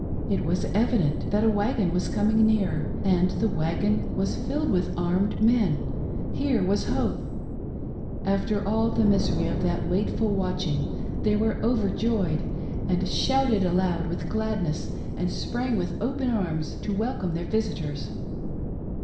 It was evident that a wagon was coming near, and the wagon was filled with armed men ;— here was hope. After all the misery of that waitful watching, they were overjoyed, and shouted aloud with gladness, and sprang with open arms to welcome their visitors.